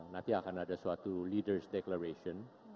nanti akan ada suatu leaders declaration